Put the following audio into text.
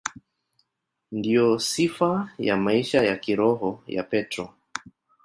Ndiyo sifa ya maisha ya kiroho ya Petro.